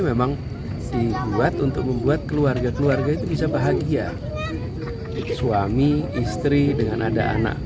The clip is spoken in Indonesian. memang dibuat untuk membuat keluarga keluarga itu bisa bahagia suami istri dengan ada anak